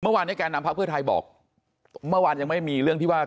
เมื่อวานนี้แก่นำพักเพื่อไทยบอกเมื่อวานยังไม่มีเรื่องที่ว่า